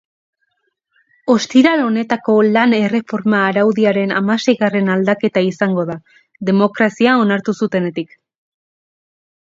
Ostiral honetako lan-erreforma araudiaren hamaseigarren aldaketa izango da, demokrazia onartu zutenetik.